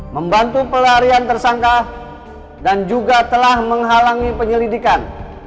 membantu pelarian tersangka dan juga telah menghalangi penyelidikan